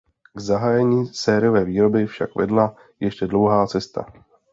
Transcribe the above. K zahájení sériové výroby však vedla ještě dlouhá cesta.